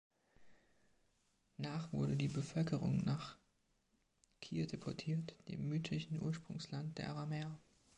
Nach wurde die Bevölkerung nach Kir deportiert, dem mythischen Ursprungsland der Aramäer.